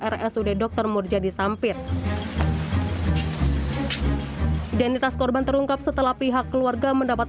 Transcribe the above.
rsud dr murjadi sampit identitas korban terungkap setelah pihak keluarga mendapat